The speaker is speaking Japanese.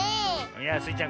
いやスイちゃん